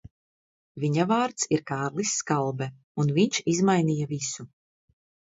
Viņa vārds ir Kārlis Skalbe, un viņš izmainīja visu.